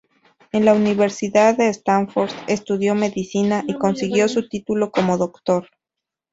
En la Universidad de Stanford estudió medicina y consiguió su título como doctor.